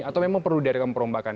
atau memang perlu diadakan perombakan